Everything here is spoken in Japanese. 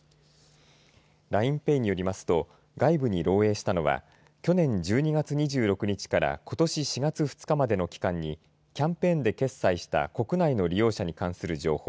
ＬＩＮＥＰａｙによりますと外部に漏えいしたのは去年１２月２６日からことし４月２日までの期間にキャンペーンで決済した国内の利用者に関する情報